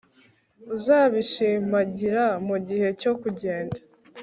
uzabishimangira mugihe cyo kugenda